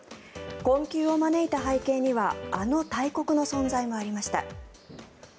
困窮を招いた背景にはあの大国の存在もありました。